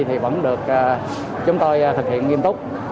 thì vẫn được chúng tôi thực hiện nghiêm túc